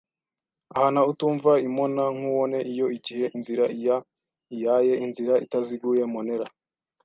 ahana uutumwa imona nkuone iyo gihe inzira ia iaye inzira itaziguye /monera